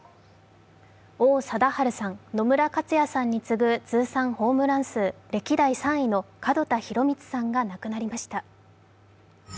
王貞治さん、野村克也さんに次ぐ歴代３位の門田博光さんが亡くなりました。